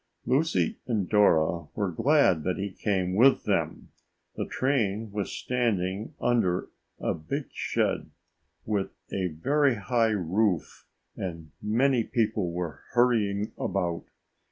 Lucy and Dora were glad that he came with them. The train was standing under a big shed with a very high roof and many people were hurrying about.